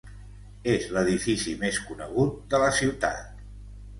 És l'edifici més conegut de la ciutat.